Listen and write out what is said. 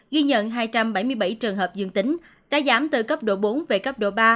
ghi nhận hai trăm bảy mươi bảy trường hợp dương tính đã giảm từ cấp độ bốn về cấp độ ba